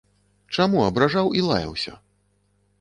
Чаму абражаў і лаяўся?